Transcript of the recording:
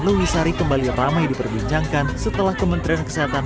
lewisari kembali ramai diperbincangkan setelah kementerian kesehatan